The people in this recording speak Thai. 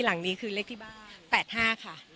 หลังนี้คือเลขที่บ้าน๘๕ค่ะ